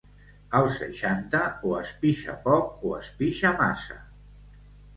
Als seixanta, o es pixa poc o es pixa massa.